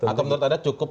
aku menurut anda cukup